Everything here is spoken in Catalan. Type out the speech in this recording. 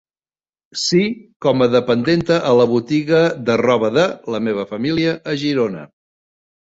Sí, com a dependenta a la botiga de robade la meva família, a Girona.